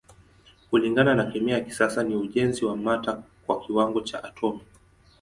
Kulingana na kemia ya kisasa ni ujenzi wa mata kwa kiwango cha atomi.